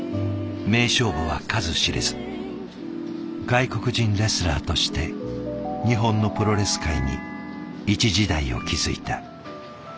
外国人レスラーとして日本のプロレス界に一時代を築いた。